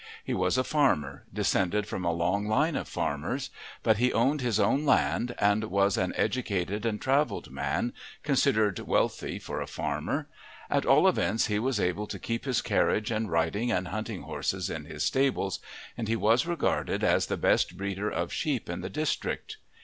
He was a farmer, descended from a long line of farmers; but he owned his own land, and was an educated and travelled man, considered wealthy for a farmer; at all events he was able to keep his carriage and riding and hunting horses in his stables, and he was regarded as the best breeder of sheep in the district.